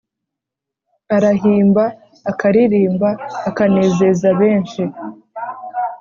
Arahimba akaririmba akanezeza benshi